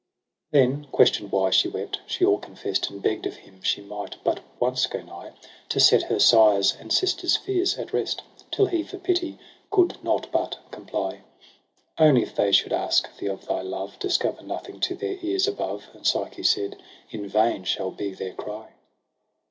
io6 EROS & PSYCHE V Tlien question'd why she wept, she all confest ; And begg'd of him she might but once go nigh To set her sire's and sisters' fears at rest ; Till he for pity coud not but comply :' Only if they should ask thee of thy love Discover nothing to their ears above.' And Psyche said ' In vain shall be their cry.'